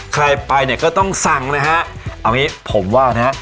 ใครไปเนี่ยก็ต้องสั่งนะฮะเอางี้ผมว่านะฮะ